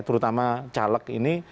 terutama caleg ini